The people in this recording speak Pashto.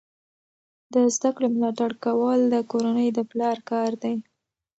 د زده کړې ملاتړ کول د کورنۍ د پلار کار دی.